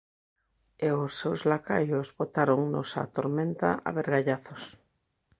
E os seus lacaios botáronnos á tormenta a vergallazos.